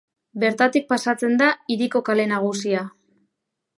Bertatik pasatzen da hiriko kale nagusia.